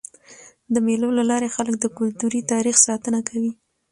د مېلو له لاري خلک د کلتوري تاریخ ساتنه کوي.